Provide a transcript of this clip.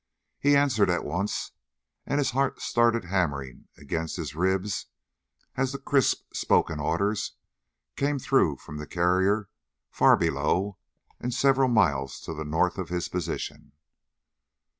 He answered at once, and his heart started hammering against his ribs as the crisp spoken orders came through from the carrier far below and several miles to the north of his position.